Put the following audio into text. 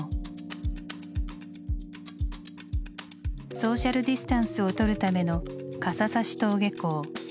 ソーシャルディスタンスをとるための傘差し登下校。